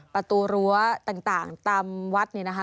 ประตูรั้วต่างตามวัดเนี่ยนะคะ